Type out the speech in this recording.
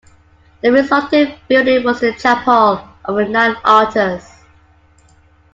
The resulting building was the Chapel of the Nine Altars.